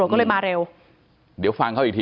ก็มาเร็ว